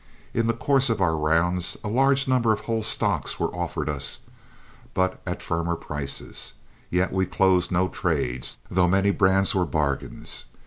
In the course of our rounds a large number of whole stocks were offered us, but at firmer prices, yet we closed no trades, though many brands were bargains.